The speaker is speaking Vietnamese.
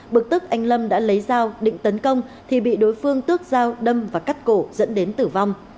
bực tức anh lâm đã lấy dao định tấn công thì bị đối phương tước dao đâm và cắt cổ dẫn đến tử vong